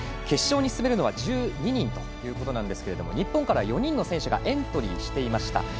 決勝に進めるのは１２人ということですが日本からは４人の選手がエントリーしていました。